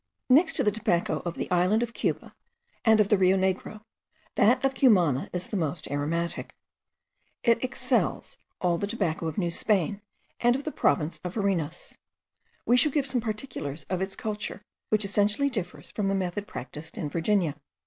Next to the tobacco of the island of Cuba and of the Rio Negro, that of Cumana is the most aromatic. It excels all the tobacco of New Spain and of the province of Varinas. We shall give some particulars of its culture, which essentially differs from the method practised in Virginia.